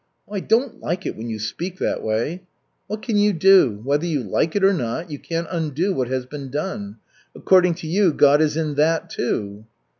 "I don't like it when you speak that way." "What can you do? Whether you like it or not, you can't undo what has been done. According to you, God is in that, too."